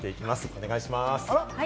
お願いします。